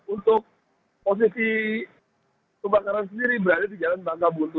untuk posisi kebakaran sendiri berada di jalan bangka buntu